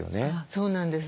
そうなんです。